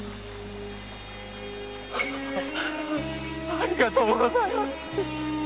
ありがとうございます